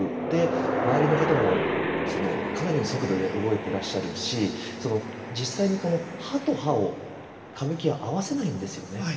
で周りの方もかなりの速度で動いてらっしゃるし実際にこの刃と刃を歌舞伎は合わせないんですよね。